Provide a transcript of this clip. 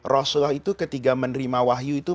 rasulullah itu ketika menerima wahyu itu